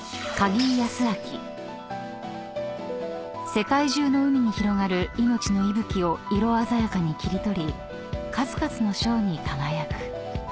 ［世界中の海に広がる命の息吹を色鮮やかに切り取り数々の賞に輝く］